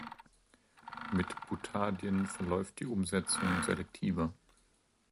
Mit Butadien verläuft die Umsetzung selektiver.